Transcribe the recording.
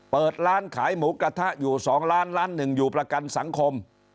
เปิดร้านขายหมูกระทะอยู่๒ล้านล้านหนึ่งอยู่ประกันสังคม